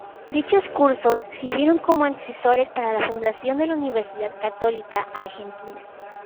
Dichos cursos sirvieron como antecesores para la fundación de la Universidad Católica Argentina.